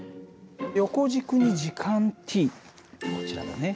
横軸に時間ｔこちらだね。